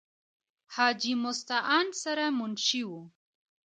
حاجې مستعان سره منشي وو ۔